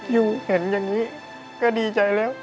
อยู่เห็นอย่างนี้ก็ดีใจแล้ว